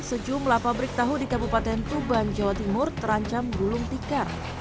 sejumlah pabrik tahu di kabupaten tuban jawa timur terancam gulung tikar